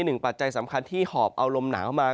หนึ่งปัจจัยสำคัญที่หอบเอาลมหนาเข้ามา